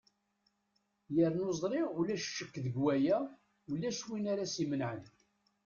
yernu ẓriɣ ulac ccek deg waya ulac win ara s-imenɛen